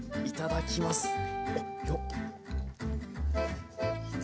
いただきます。